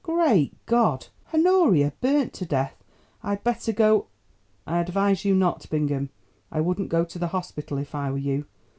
"Great God! Honoria burnt to death. I had better go——" "I advise you not, Bingham. I wouldn't go to the hospital if I were you.